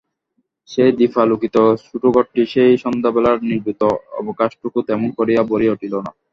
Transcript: সেই দীপালোকিত ছোটো ঘরটি, সেই সন্ধ্যাবেলাকার নিভৃত অবকাশটুকু তেমন করিয়া ভরিয়া উঠিল না।